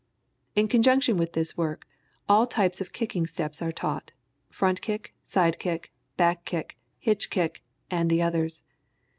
In conjunction with this work, all types of kicking steps are taught, front kick, side kick, back kick, hitch kick, and the others.